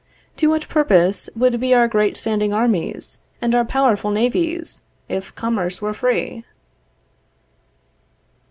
To what purpose would be our great standing armies, and our powerful navies, if commerce were free?